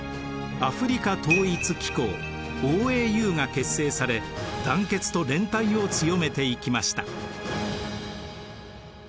アフリカ統一機構ＯＡＵが結成され団結と連帯を強めていきました。